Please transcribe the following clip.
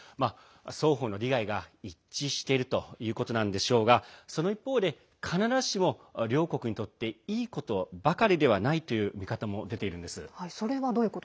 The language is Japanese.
双方の利害が一致しているということなのでしょうがその一方で必ずしも両国にとっていいことばかりではないという見方も出ているんです。